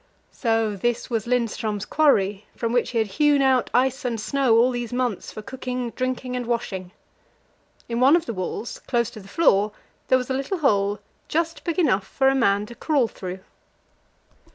So this was Lindström's quarry, from which he had hewn out ice and snow all these months for cooking, drinking, and washing. In one of the walls, close to the floor, there was a little hole just big enough for a man to crawl through.